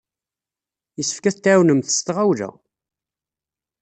Yessefk ad t-tɛawnemt s tɣawla!